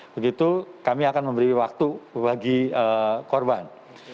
begitu kami akan memberi waktu bagi korban